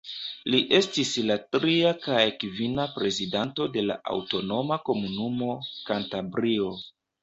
Li estis la tria kaj kvina prezidanto de la aŭtonoma komunumo Kantabrio.